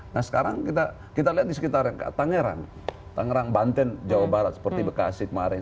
nah sekarang kita lihat di sekitar tangerang tangerang banten jawa barat seperti bekasi kemarin